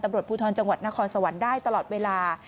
ตำรวจภูทรจังหวัดนครสวรรค์ได้ตลอดเวลา